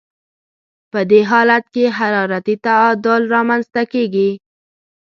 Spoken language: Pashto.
په دې حالت کې حرارتي تعادل رامنځته کیږي.